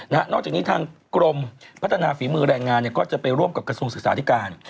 นอกจากนี้ทางกรมพัฒนาฝีมือแรงงานก็จะไปร่วมกับกระทรวงศึกษาธิการ